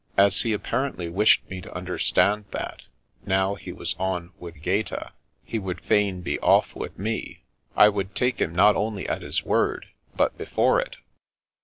As he apparently wished me to understand that, now he was on with Gaeta, he would fain be off with me, I would take him not only at his word, but before it.